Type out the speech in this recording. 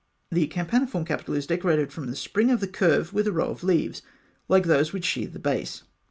The campaniform capital is decorated from the spring of the curve with a row of leaves, like those which sheathe the base.